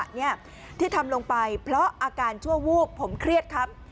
เนี่ยที่ทำลงไปเพราะอาการชั่ววูบผมเครียดครับ